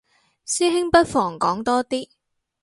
師兄不妨講多啲